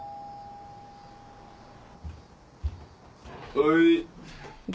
はい。